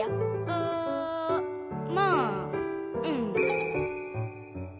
あまあうん。